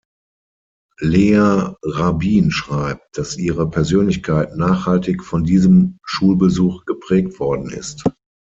Leah Rabin schreibt, dass ihre Persönlichkeit nachhaltig von diesem Schulbesuch geprägt worden ist.